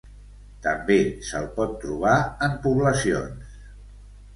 També se'l pot trobar en poblacions.